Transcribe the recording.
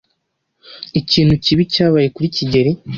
Ikintu kibi cyabaye kuri kigeli.